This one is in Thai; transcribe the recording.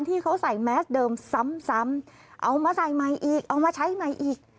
ที่เขาใส่แมสเดิมซ้ำซ้ำเอามาใส่ใหม่อีกเอามาใช้ใหม่อีก